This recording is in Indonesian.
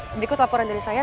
berikut laporan dari saya